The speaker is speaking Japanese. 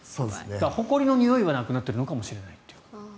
ほこりのにおいはなくなっているかもしれない。